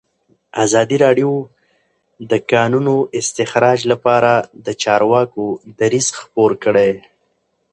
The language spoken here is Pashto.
ازادي راډیو د د کانونو استخراج لپاره د چارواکو دریځ خپور کړی.